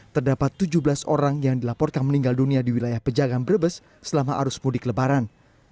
terdapat tujuh belas orang yang dilaporkan meninggal dunia di wilayah pejagaan brebes selama arus mudik lebaran